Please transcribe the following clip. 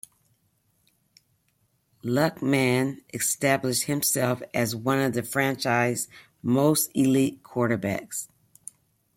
Luckman established himself as one of the franchise's most elite quarterbacks.